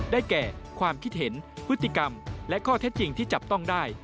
แก่ความคิดเห็นพฤติกรรมและข้อเท็จจริงที่จับต้องได้